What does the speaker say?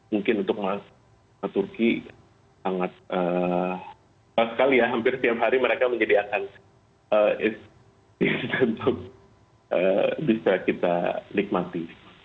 mungkin untuk mas turki hampir setiap hari mereka menjadi akan istri kita untuk bisa kita nikmati